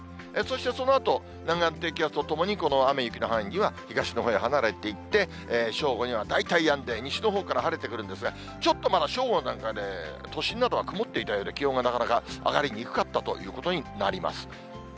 そしてそのあと、南岸低気圧とともに、この雨と雪の範囲、東の方へ離れていって、正午には大体やんで、西のほうから晴れてくるんですが、ちょっとまだ正午なんかで、都心などは曇っていたようで、気温がなかなか上がりにくかったということになります。